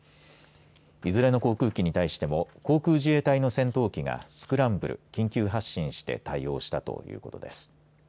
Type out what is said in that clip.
いずれの航空機に対しても航空自衛隊の戦闘機がスクランブル、緊急発進して対応したということです。